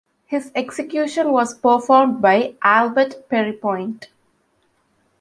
His execution was performed by Albert Pierrepoint.